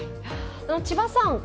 千葉さん